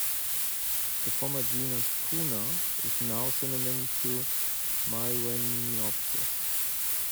The former genus "Puna" is now synonym to "Maihueniopsis".